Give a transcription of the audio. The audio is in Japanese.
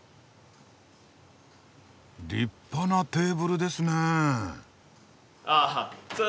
立派なテーブルですねえ。